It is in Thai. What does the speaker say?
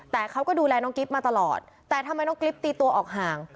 แต่เขาก็ดูแลน้องกิ๊บมาตลอดแต่ทำไมน้องกิ๊บตีตัวออกห่าง